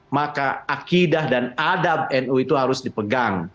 maka akidah dan adab nu itu harus dipegang